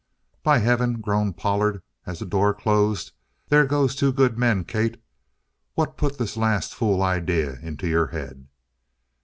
"By heaven!" groaned Pollard as the door closed. "There goes two good men! Kate, what put this last fool idea into your head?"